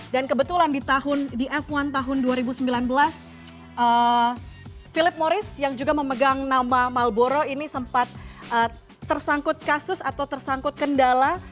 dan kebetulan di tahun di f satu tahun dua ribu sembilan belas philip morris yang juga memegang nama malboro ini sempat tersangkut kasus atau tersangkut kendala